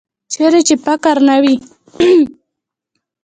چیرې چې فقر نه وي.